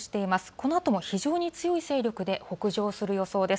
このあとも非常に強い勢力で北上する予想です。